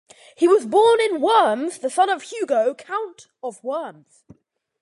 He was born in Worms, the son of Hugo, count of Worms.